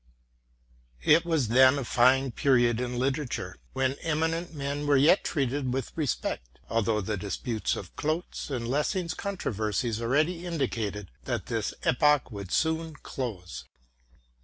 It was then a fine period in literature, when eminent men were yet treated with respect ; although the disputes of Klotz and Lessing's controversies already indicated that this epoch would soon close.